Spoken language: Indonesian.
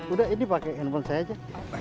udah ini pakai handphone saya aja